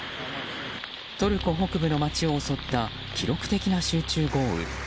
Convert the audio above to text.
トルコ北部の街を襲った記録的な集中豪雨。